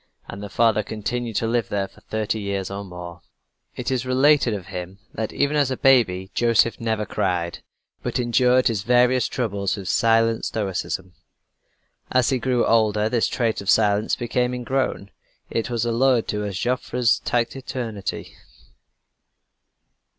And the father continued to live there for thirty years or more. It is related of him that even as a baby Joseph never cried, but endured his various troubles with silent stoicism. As he grew older, this trait of silence became ingrown; it was alluded to as "Joffre's taciturnity."